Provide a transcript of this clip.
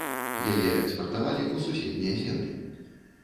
Яе экспартавалі ў суседнія землі.